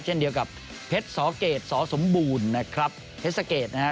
เช่นเดียวกับเพชรสเกตสสมบูรณ์นะครับเพชรสเกตนะฮะ